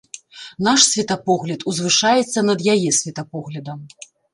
Наш светапогляд узвышаецца над яе светапоглядам.